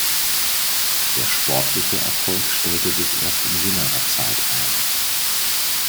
Der sportliche Erfolg stellte sich erst in jüngerer Zeit ein.